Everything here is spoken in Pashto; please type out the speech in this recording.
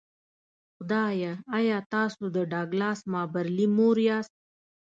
خدایه ایا تاسو د ډګلاس مابرلي مور یاست